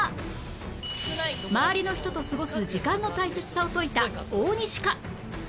周りの人と過ごす時間の大切さを説いた大西か？